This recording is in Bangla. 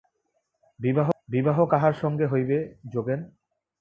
বিবাহ কাহার সঙ্গে হইবে যোগেন?